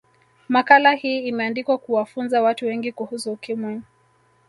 makala hii imeandikwa kuwafunza watu wengi kuhusu ukimwi